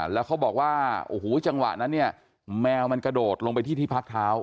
แล้วเขาบอกว่าโอ้โหจังหวะนั้นเนี่ยแมวมันกระโดดลงไปที่ที่พักเท้า